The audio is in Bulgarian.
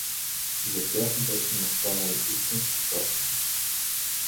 За тях беше настанало истинско царство.